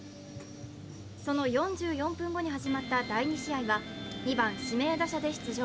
その４４分後に始まった第２試合は２番・指名打者で出場。